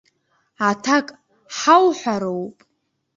Аҭак ҳауҳәароуп!